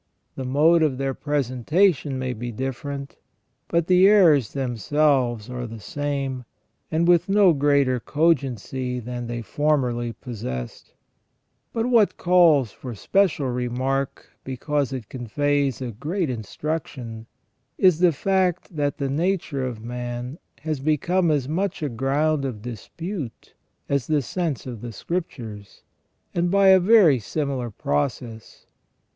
The mode of their presentation may be different, but the errors themselves are the same, and with no greater cogency than they formerly possessed. But what calls for special remark, because it conveys a great instruction, is the fact, that the nature of man has become as much a ground of dispute as the sense of the Scriptures, and by a very similar process.